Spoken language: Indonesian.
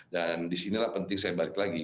dan di sinilah penting saya balik lagi